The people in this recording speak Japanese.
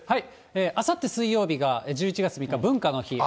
あさって水曜日が１１月３日、文化の日。